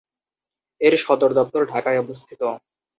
এর সদরদপ্তর ঢাকায় অবস্থিত।